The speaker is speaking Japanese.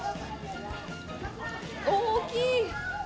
大きい！